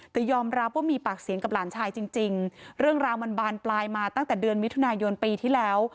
แต่ยอมรับว่ามีปากเสียงกับหลานชายจริงเรื่องราวมันบานปลายมาตั้งแต่เดือนมิถุนายนปีที่แล้ว